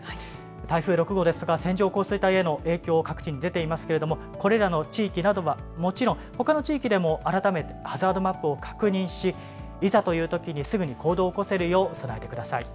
台風６号ですが線状降水帯への影響、各地に出ていますけれどもこれらの地域などは、もちろんほかの地域でも改めてハザードマップを確認しいざというときにすぐに行動を起こせるよう備えてください。